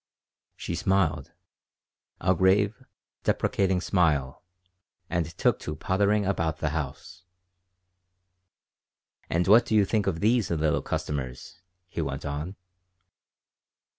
She smiled a grave, deprecating smile and took to pottering about the house "And what do you think of these little customers?" he went on.